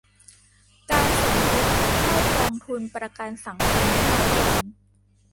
การสมทบเข้ากองทุนประกันสังคมที่น้อยลง